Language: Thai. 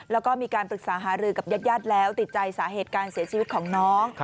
แล้วก็มีการปรึกษาหารือกับญาติญาติแล้วติดใจสาเหตุการเสียชีวิตของน้อง